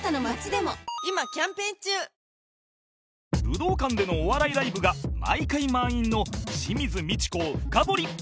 武道館でのお笑いライブが毎回満員の清水ミチコを深掘り